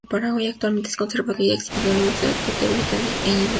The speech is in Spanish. Actualmente es conservado y exhibido en el museo Tate Britain en Inglaterra.